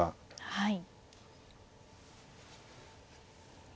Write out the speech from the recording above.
はい。